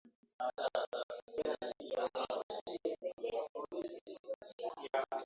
Tunaona madhara makubwa sana ambayo wanajamii waliyoyapata